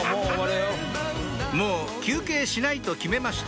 もう休憩しないと決めました